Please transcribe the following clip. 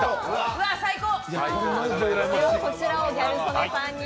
うわ、最高！